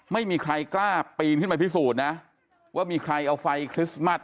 ไม่มีใครกล้าปีนขึ้นไปพิสูจน์นะว่ามีใครเอาไฟคริสต์มัส